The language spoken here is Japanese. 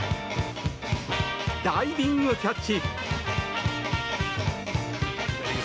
ダイビングキャッチ！